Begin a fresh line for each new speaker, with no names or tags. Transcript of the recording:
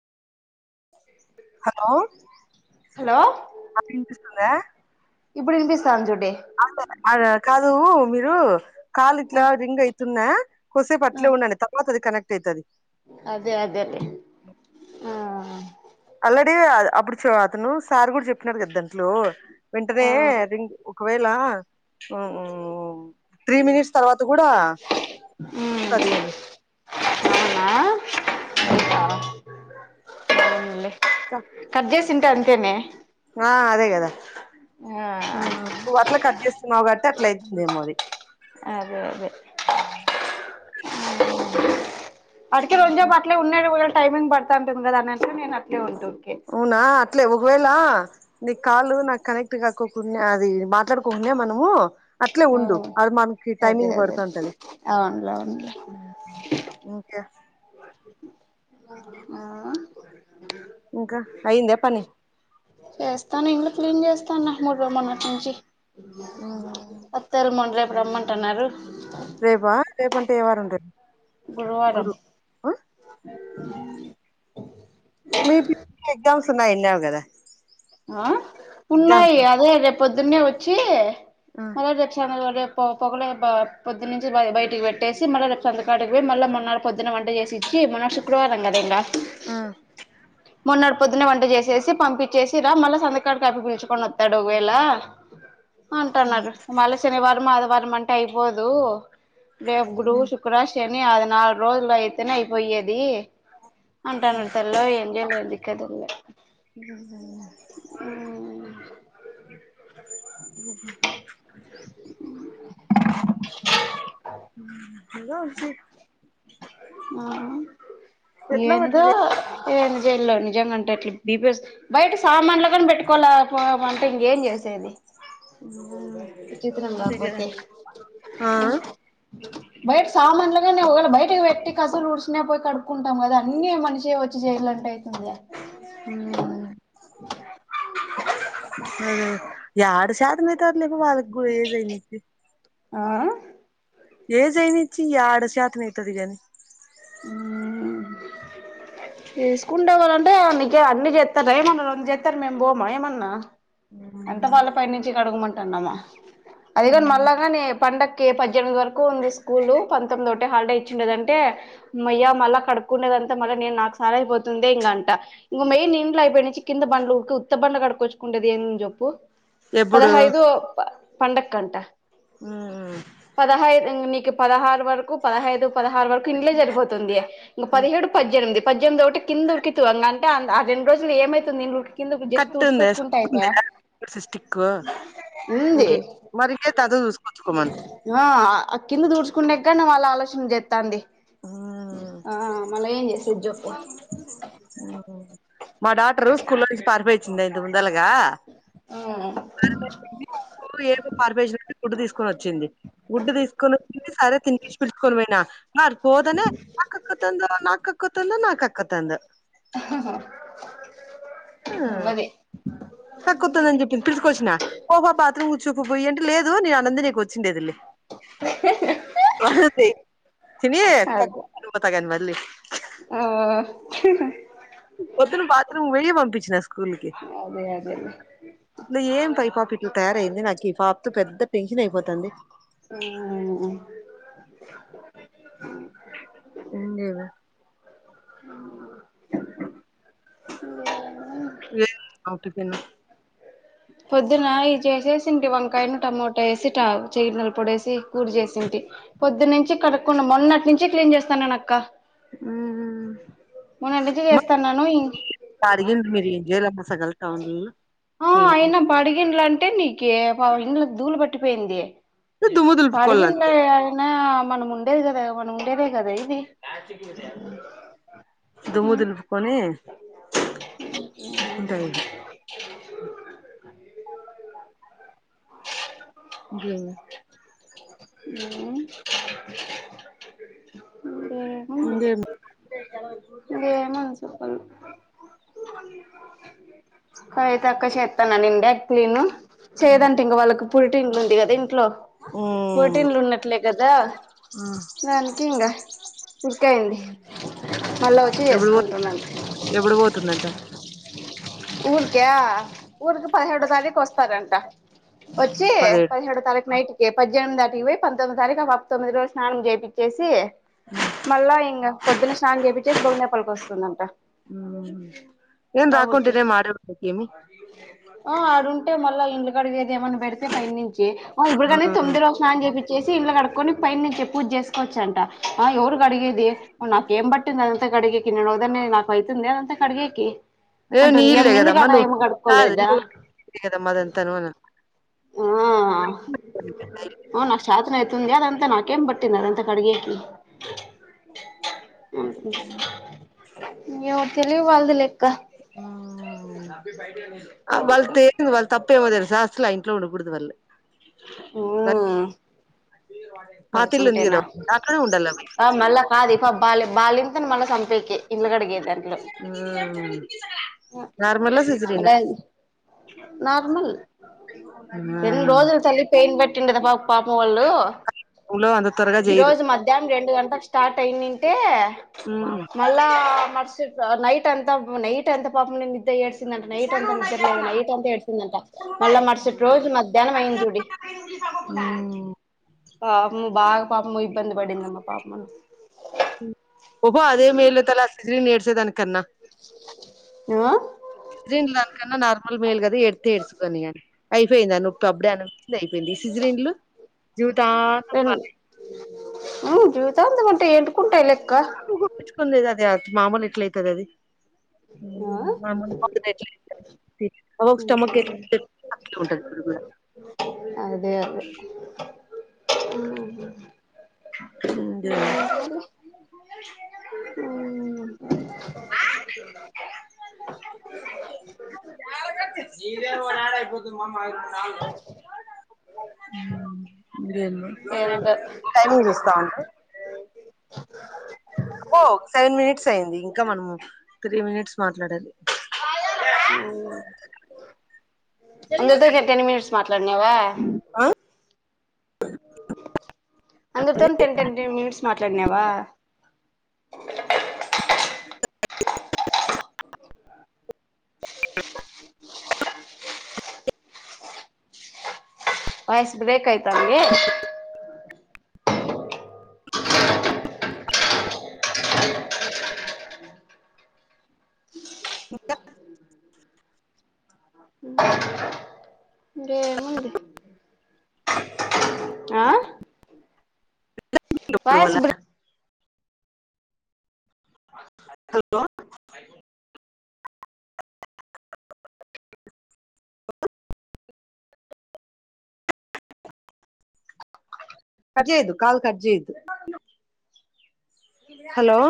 hello
hello
అట్ వినిపిస్తుందా
ఇప్పుడు వినిపిస్తాంది చూడు
అద అదద్ కాదు మీరు కాల్
ఆ
ఇట్లా రింగ్ అయితున్నా కొసేపు
ఆ
అట్లే ఉండండి పక్కనోళ్ళది కనెక్ట్ ఇద్దరిది
అదే అదే ఆ ఉ
అల్రెడీ అప్పుడు అతను సార్ కూడా చెప్పినడు కదా దాంట్లో వెంటనే
ఉమ్
అదిం ఒకవేళ ఉ త్రీ మినిట్స్ తర్వాత కూడా కుక్కుతాది అని
అవునా లే కర్జేస్ చ్చింటే అంతేనే
ఆ అదే కదా
ఆ
నువ్వు అట్లే కట్ చేస్తున్నావు కాబట్టి అట్లే అయితుందేమో అది
అదే అదే అడికి అట్లే రొంసేపు అట్లే ఉన్నాయ్ పో టైమింగ్ పాడుతా అంటది కదా అనేసి ఓకే ఉంటే ఓకే
అవునా అట్లే ఒకవేళ నీ కాలు నా కనెక్ట్ కాక్కకుండా అది మాట్లాడుకోకుండా మనము అట్లే
ఆ
ఉండు అది మనకి
అదే
టైమింగ్
అదే
పడుతుంటంది
అవునులే అవునులే
హు ఓకే
ఆ
ఇంకా అయ్యిందా పని
చేస్తానా ఇల్లు క్లీన్ చేస్తానా మూడు రూ మన్నటి నుంచి అత్తల మండరే రమ్మంటున్నారు
రేపా రేపుంటే ఏ వారం ట్రైన్
గురువారం
టెన్స్ లో విన్నావు కదా
ఆ
ఎగ్జామ్స్
ఉన్నాయి అదే చే పొద్దున్నే వచ్చి
ఆ
ఆరోజు ఎట్ల అన్న గా రేపు పొ పొగల పో పొద్దు నుంచి బయటికి పెట్టేసి మళ్ళీ రేపు సందగాడికిపోయి మళ్ళీ మొన్నర పొద్దున్న వంట చేసి ఇచ్చి మొన్న శుక్రవారం కదా ఇంకా
ఆ
మొన్నడి పొద్దున వంట చేసేసి పంపించేసి చరా మల్ల సంధ్యకడికి తప్పపోయి పీల్చు కొనివత్తడు ఒక వేల అంటున్నారు మళ్ళీ శనివారం ఆదివారం అంటే అయిపోదు రేపు గురు శుక్ర శె అది నాలుగు రోజుల అయితునే ఇయిపోయ్యది అంటా నా తెలో ఏం చెయ్యాలా ఏంది కదా గోల్లె
ఊహు
అ
ఇప్పుడే వచ్చిరు
ఆ
ఎట్లా గట్ల
ఏందో
చే
ఏ జైల్లో నిజంగా అంటే అట్లా బిపి వస్త బయట సామాన్లు గాని పెట్టుకోవాలే పో మన ఇంకేం చేసేది విచిత్రం కాకపోతే
ఆ
బయట సామాన్లు ఓగాలా బయటి పెట్టి ట్టి కసలు ఉడుసు కొని పోయి కడుక్కుంటాం కదా అన్ని ఆ మనిషి వచ్చి చేయాలంటే అవుతుందా
ఊహు అదే ఏడ చేతనైతది వీళ్లకు వాళ్లకు గుజై ఐనైతి
ఆ
ఏ జనిచ్చ ఈ ఆడ శత న ఇతది కానీ
తీేసుకుంటవాలంటే అకే అన్ని చేస్తారు ఏమన్నా రం చేస్తారు మేం బయ ఏమన్నా అంత వాళ్ళ ప నుంచి కడగమంటాన్నామ్మా అదిిక మళ్ళగాని పండకి ఒక పద్దెనిమిది వరకు ఉంది స్కూల్ పంతొమ్మిది ఒకటే హాలిడే ఇచ్చిండేదంటే మయ్య మళ్ళీ కడుక్కునేదంతా మళ్ీ నేను నాకు సార్ అయిపోతుంద ఇంకంట ఇంకెయ్యి ఇంలో అయిపోయి నుంచి కింద బండ్లుకి ఉత్త బండలు కడుక్కొచ్చుకుండేది ఏ చె ప్పు
ఎప్పుడు
పదహైదు పండక్కంట
మ్మ్
పదహాయిదు ఇం పదహారు వరకు పదహైదు పదహారు వరకు ఇంట్లే జరిపోతుంది ఇక
మ్మ్
పదిహేడు పద్దెనిమిది పద్దెమిది ఒకటి కింద ఉరికితు ఆ రెండు రోజులు ఏమైతుంది కింద జస్ట్ ఊర్స్కొచ్చు కుంటాయత
మరి ఇంకేం క
ఆ కింద దూడ్చుకుండే ఎక్క ం ఇ ట్ల ఆలోచన చేత్త ఉంది చేసేది జెప్పు
మా డాటరు స్కూల్లో నుంచి పారిపో చింద ఇందు ముందలాగా
ఆ
కార్జ కార్బేజ్ [unintelligible] ఇప్పుడు తీసుకుని వచ్చింది గుడ్డు తీసుకుని సారా తినిపించి పెట్టు కోని పోయిన మర్ోదనే నాక్కకు తంద నాక [unintelligible] అక్కతుంద నాకు అక్కతుంద
హ
కక్కుతుందని చెప్పింది పిలుసుకొచ్చిన పొబా బాత్రూమ్ కూర్చో పొ ఇయ్య ఏంట లేదు నేను అన్నం తినేకి కుచ్చిండేదిలే చిన్ని కక్కు
అదే
వ త్త కాని మళ్ళీ
సై
బిజినస్ స్కూల్కి
అదే అదేలే
ఇల ఏం పై పాప ఇట్ల తయారయింది ఎ నాకు ఈ పాప తో పెద్ద టెన్షన్ అయిపోతుంది
ఆ
ఉనులేవే
ఉ
[unintelligible]
పొద్దున ఇది చేసేసింటి వంకాయను టమోటా వేసి టా చెనల పొడి వేసి కూడి చేసింటి, పొద్దునుంచి కడక్కుండా మొన్నటి నుంచి క్లీన్ చేస్తానునక్క
ఆ
మొన్నడ్నించి చేస్తాన్నాను
అడిగింది మీరు ఏం చేయాలమ్మా సగల టౌన్లో
ఆ అయినాప అడిగినల పెట్టే నీకి [unintelligible] దూలు పట్టిపోయింది
దుమ్ము దులుపుకోవాల
పడుకిల
అంతే
అదిన్న మన ముండేద మన ముండేద కద ఇది
దుమ్ము దులుపుకొని ఉంటాయి [inaudible]
ఆ
ఇంకేమి
ఏమో చెప్పను కవితక్క చేేత్తాననిందా క్లీను చేదన్ టింగ వాళ్ళకి పురిటిన్డ్లు ఉంది కదా ఇంట్లో
ఉమ్
పురిటిన్లు ఉన్నట్లే కదా దానికి ఇంగా ఫిక్ అయ్యింది మళ్ళా వచ్చి
ఎప్పుడు పో
చేసుకుంటున్నా
ఎప్పుడు పోతుందంట
ఊరికా ఊరికి పదిహేడో తారీఖు వస్తారంట వచ్చి పదిహేడు తారీఖు నైట్ కి పజ్ జనం దాటికి పోయి పంతొమ్మి తారీఖు ఆప్ తొమ్మిది రోజు స్నానం చేపిచ్చేసి మళ్ళా ఇంగా పొద్దున్న స్నానం చేపిచ్చేసి భొగినేపల్లికి వస్తుందంట
ఏం
మా ఊరికి
రాకుంటేనే మాట్లాడకి ఏమి
ఆ ఆడుంటే మళ్ళా ఇండ్లు కాడిదే ఏమని పెడితే పై నుంచి ఆ ఇప్పుడు గానే తొమ్మిది రోజు స్నానం చేప్పి చేసి ఇండ్లు కడుక్కొని పైన నుంచి పూజ చేసుకోవచ్చన్ టి ఆ ఎవురు కడిగేది నాకు ఏం బట్టింద త కడిగేకి నేను ఒకదాన్నే నాకు ఐతుందా అంత కడిగేకి
నీ
అంటుంది ఏం
ఇల్లే
మిండ్లు
కదమ్మా
గాడ
నువ్వు
ఏమి
కాదు
కడుక్కోలేదా
నువ్వు కదమ్మా అదంతాను అని
[inaudible] ఆ నాకు చాతనై తుందా అదంతా నాకేం బట్టింది అదంతా కడిగేకి ఇంగేమో కలి వాల్ది లెక్క
వాళ్ళ తె వా తప్ప ఏమో తెల్సా అస్సల్ అ ఇంట్లో ఉండకూడదు వాళ్ళు
లే
పాతిల్లు ఉంది
ఉంటేనా
కదా దాంట్లోనే ఉండాలి
ఆ మళ్ళా కాదు ఇకు బాల్య బాలిం మల సంపే
ఆ నార్మల్ ఆ సిజేరిన్ ఆ
అదే నార్మల్ రెండు రోజులు తల్లి పెయిన్ పెట్టిండద పా పాప వాళ్ళు
లో అంత త్వరగా
ఈ
చేయరు
రోజు మధ్యాహ్నం రెండు గంటలకు స్టార్ట్ అయిందింటే మళ్ళా మరుస నైట్ అంతా నైట్ అంత పాపం నిద్దా ఎడ్ అంట నైట్ అంతా నిద్రలేదు నైట్ అంత ఏడిసిందట మళ్ళా మరుసటి రోజు మధ్యాహ్నం అయింది చూడి పప్ము బాగా పాపమూ ఇబ్బంది పడిందమ్మా పాపను
ఓబో అదే మేల తలా సీజేరిన్ చెపిచ్చే దని కన్నా
ఆ
కన్నా నార్మల్ మేల్ కదా ఎడితే ఏడుచసుకొనిని అయిపోయింది ఆ నొప్పి అప్పుడే అయిపోయింది సిజ్రిన్లు జ దా మాల
ఉ జీవితాంతం అంత ఏం
కుసుకొ లేదది మామూలు ఎట్ల అయితది అది
ఆ
అ స్టమక్ంటది అట్లే ఉంటది ఇడు కూడా
అ ఆ
జీరేను నాడ అయిపోద్తుదు మామ అవు
ఏందో
టైమింగ్ చూస్తాంటే ఓ సెవెన్ మినిట్స్ అయింది ఇంకా మనము త్రీ మినిట్స్ మాట్లాడాలి
ఓ అ టెన్ మినీట్స్ మాట్లాడినావా అందరితో టెన్ టెన్ మినిట్స్ మాట్లాడినావా వూయిస్ బ్రేక్ అయి తాంది
ఇంకా
ఇంకా ఏముంది ఆ
ఉరికి ఎప్పుడు
వాయిస్
పొవ్వాల్ల
బ్రేక్
హలో కట్ చేయొద్దు కాల్ కట్ చేయద్దు హలో